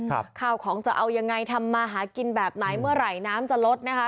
ข้าวของจะเอายังไงทำมาหากินแบบไหนเมื่อไหร่น้ำจะลดนะคะ